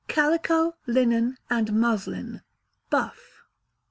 Calico, Linen, and Muslin (Buff).